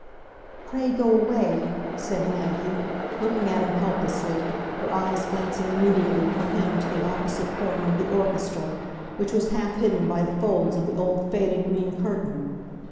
"Pray, go away," said Maggie, looking at him helplessly, her eyes glancing immediately from him to the opposite corner of the orchestra, which was half hidden by the folds of the old faded green curtain.